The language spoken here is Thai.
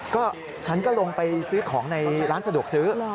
ก็ฉันก็ลงไปซื้อของในร้านสะดวกซื้อ